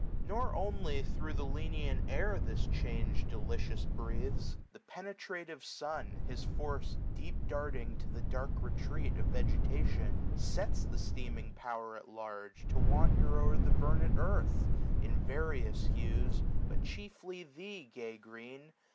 Nor only thro' the lenient air, this change Delicious breathes ; the penetrative sun. His force deep darting to the dark retreat Of vegetation, sets the steaming Power 80 At large, to wander o'er the vernant earth. In various hues ; but chiefly thee, gay Green